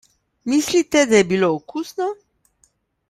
Mislite, da je bilo okusno?